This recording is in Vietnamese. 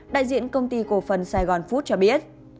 đại diện công ty cổ phân saigon food cho biết